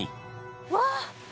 うわ！